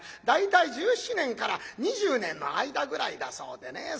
大体１７年から２０年の間ぐらいだそうでね。